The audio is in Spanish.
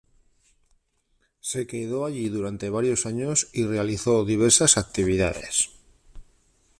Se quedó allí durante varios años, y realizó diversas actividades.